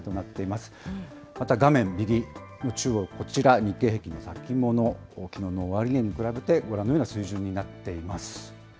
また画面右、こちら、日経平均の先物、きのうの終値に比べてご覧のような水準になっています。